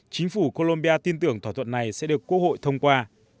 chính phủ colombia tin tưởng thỏa thuận này sẽ được quốc hội thông qua